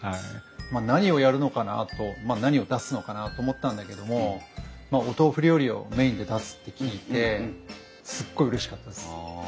何をやるのかなと何を出すのかなと思ったんだけどもまあお豆腐料理をメインで出すって聞いてすっごいうれしかったです。